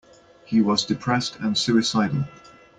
He was depressed and suicidal.